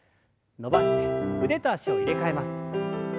伸ばして腕と脚を入れ替えます。